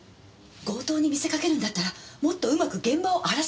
強盗に見せかけるんだったらもっとうまく現場を荒らすはずでしょ！？